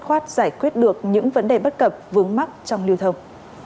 khoát giải quyết được những vấn đề bất cập vướng mắc trong lưu thông